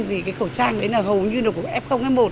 vì cái khẩu trang đấy là hầu như là f f một